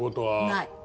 ない。